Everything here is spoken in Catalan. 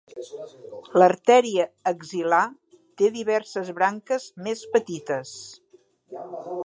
L'artèria axil·lar té diverses branques més petites.